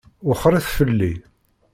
Wexxṛet fell-i!